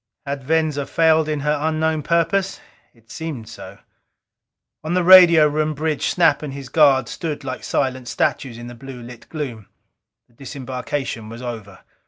Had Venza failed in her unknown purpose? It seemed so. On the radio room bridge Snap and his guard stood like silent statues in the blue lit gloom. The disembarkation was over.